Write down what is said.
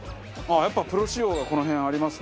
やっぱプロ仕様がこの辺ありますね。